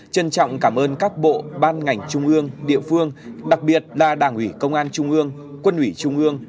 trân trọng cảm ơn các bộ ban ngành trung ương địa phương đặc biệt là đảng ủy công an trung ương quân ủy trung ương